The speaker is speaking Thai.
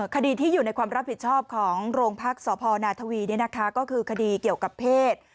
คดีที่อยู่ในความรับผิดชอบของโรงพักษ์สพนาทวีก็คือคดีเกี่ยวกับเพศ